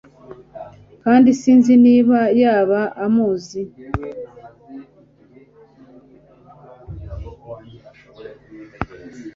Kandi sinzi niba yaba amuzi